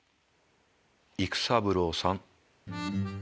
「育三郎さん。